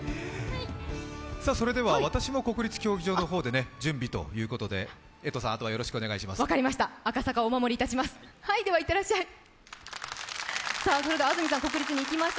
それでは、私も国立競技場の方で準備ということで、江藤さん、あとはよろしくお願いいたします。